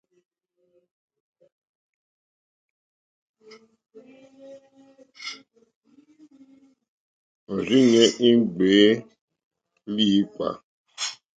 Òrzìɲɛ́ í ŋɡbèé líǐpkà.